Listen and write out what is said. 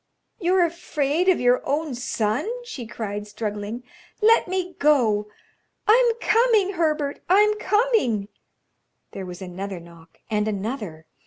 "You're afraid of your own son," she cried, struggling. "Let me go. I'm coming, Herbert; I'm coming." There was another knock, and another.